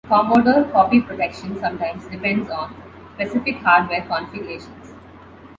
Commodore copy protection sometimes depends on specific hardware configurations.